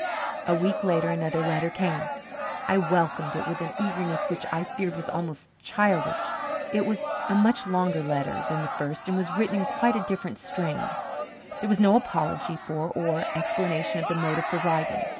A week later another letter came. I welcomed it with an eagerness which I feared was almost childish. It was a much longer letter than the first and was written in quite a different strain. There was no apology for or explanation of the motive for writing.